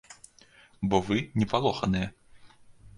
Бо вы не палоханыя.